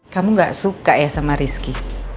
kamu gak suka ya sama rizky